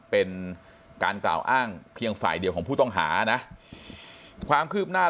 เป็นการกล่าวอ้างเพียงฝ่ายเดียวของผู้ต้องหานะความคืบหน้า